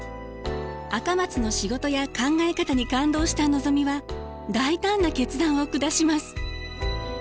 赤松の仕事や考え方に感動したのぞみは大胆な決断を下します。